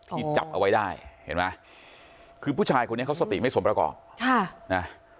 ที่จับเอาไว้ได้เห็นไหมคือผู้ชายคนนี้เขาสติไม่สมประกอบค่ะนะ